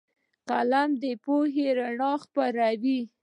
قلم د پوهې رڼا خپروي